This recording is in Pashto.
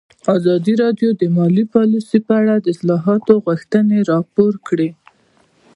ازادي راډیو د مالي پالیسي په اړه د اصلاحاتو غوښتنې راپور کړې.